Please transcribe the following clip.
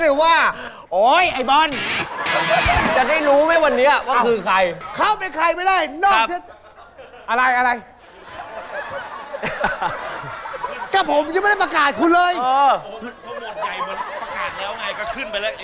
โอ้โฮมันโปรดใหญ่เหมือนประกาศแล้วไงก็ขึ้นไปแล้วอย่างเนี้ย